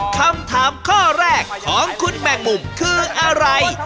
คำถามข้อแรกของคุณแมงมุมคืออะไร